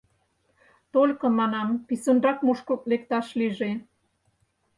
Только, — манам, — писынрак мушкылт лекташ лийже.